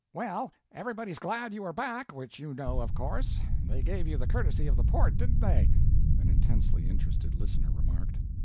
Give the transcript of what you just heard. "Well, everybody's glad you are back, which you know of course. They gave you the courtesy of the port didn't they?" an intensely interested listener remarked.